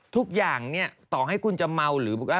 ทุกอย่างเนี่ยต่อให้คุณจะเมาหรือบอกว่า